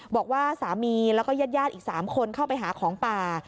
บอกว่าสามีแล้วก็ญาติอีก๓คนเข้าไปหาของป่า